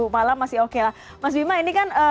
malam masih oke lah mas bima ini kan